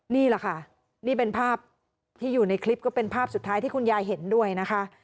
นี่แหละค่ะนี่เป็นภาพที่อยู่ในคลิปก็เป็นภาพสุดท้ายที่คุณยายเห็นด้วยนะคะ